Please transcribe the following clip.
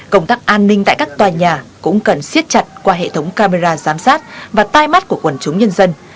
công tác an ninh tại các tòa nhà cũng cần siết chặt qua hệ thống camera giám sát và tai mắt của quần chúng nhân dân